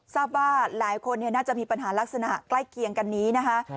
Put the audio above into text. ทราบว่าหลายคนน่าจะมีปัญหาลักษณะใกล้เคียงกันนี้นะคะ